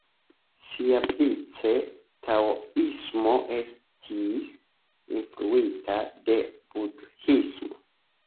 Siavice, taoismo estis influita de budhismo.